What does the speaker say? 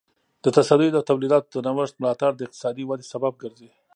د تصدیو د تولیداتو د نوښت ملاتړ د اقتصادي ودې سبب ګرځي.